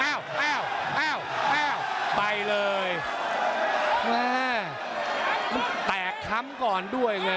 อ้าวอ้าวอ้าวอ้าวไปเลยแม่มันแตกค้ำก่อนด้วยไง